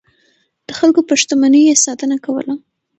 د خلکو پر شتمنيو يې ساتنه کوله.